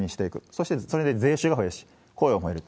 そしてそれで税収も増えるし、雇用も増える。